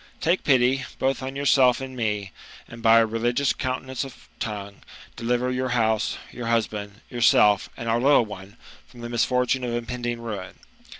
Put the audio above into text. Take pity, both on yourself and me; and by a religious continence of tongue, deliver your house, your husband, yourself, and our little one, from the misfortune of impending ruin.